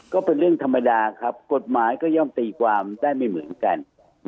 ก็เป็นเรื่องธรรมดาครับกฎหมายก็ย่อมตีความได้ไม่เหมือนกัน